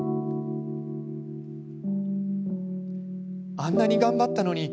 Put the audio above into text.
あんなに頑張ったのに。